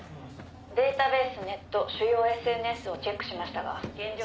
「データベースネット主要ＳＮＳをチェックしましたが現状」